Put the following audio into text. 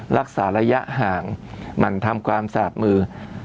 รักษาระยะห่างหมั่นทำความสาดมือ